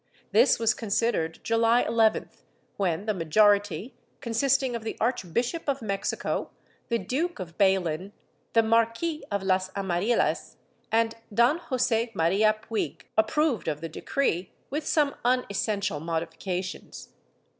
This was considered, July 11th, when the majority, consisting of the Archbishop of Mexico, the Duke of Bailen, the Marquis of las Amarillas and Don Jose Maria Puig, approved of the decree, with some unessential modifications.